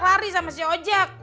lari sama si ojak